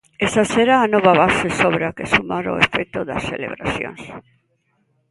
Esa será a nova base sobre a que sumar o efecto das celebracións.